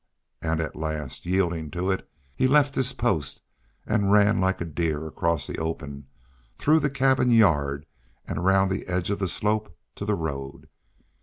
And at last, yielding to it, he left his post, and ran like a deer across the open, through the cabin yard, and around the edge of the slope to the road.